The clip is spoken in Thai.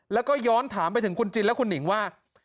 แล้วก็ย้อนถามไปถึงคุณจินและคุณหนิงว่า